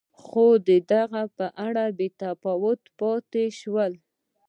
خو د هغه په اړه بې تفاوت پاتې شو.